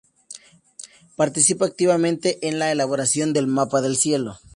Participa activamente en la elaboración del "Mapa del cielo".